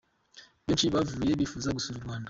Benshi bahavuye bifuza gusura u Rwanda.